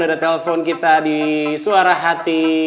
udah telpon kita di suara hati